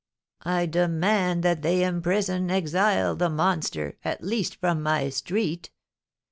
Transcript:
I demand that they imprison, exile the monster, at least from my street!'